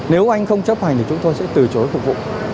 nếu anh không chấp hành thì chúng tôi sẽ từ chối phục vụ